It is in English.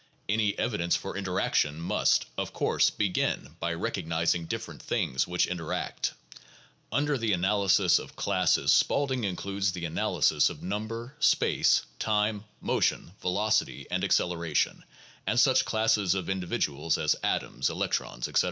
Any evidence for interaction must, of course, begin by recognizing different things which interact. Under the analysis of classes Spaulding includes the analysis of number, space, time, motion, velocity, and acceleration, and such classes of individuals as atoms, electrons, etc.